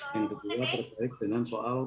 yang kedua terkait dengan soal